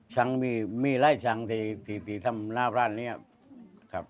ชั้นมีมีไล่ชั้นที่ทำหน้าพรานนี้ครับมีไล่ชั้น